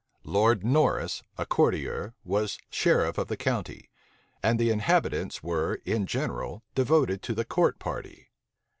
Lord Norris, a courtier, was sheriff of the county; and the inhabitants were in general devoted to the court party.